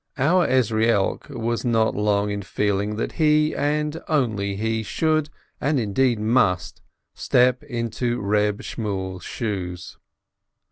Our Ezrielk was not long in feeling that he, and only he, should, and, indeed, must, step into Reb Shmuel's shoes.